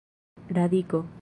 radiko